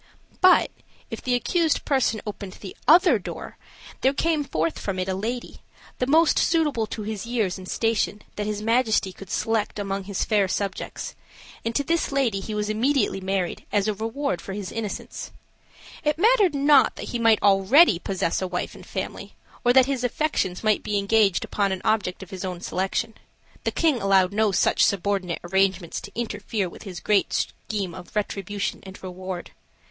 But, if the accused person opened the other door, there came forth from it a lady, the most suitable to his years and station that his majesty could select among his fair subjects, and to this lady he was immediately married, as a reward of his innocence. It mattered not that he might already possess a wife and family, or that his affections might be engaged upon an object of his own selection; the king allowed no such subordinate arrangements to interfere with his great scheme of retribution and reward.